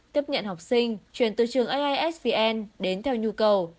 tiếp nhận học sinh chuyển từ trường aisvn đến theo nhu cầu